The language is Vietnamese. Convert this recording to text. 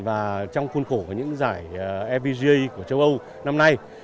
và trong khuôn khổ của những giải fpga của châu âu năm nay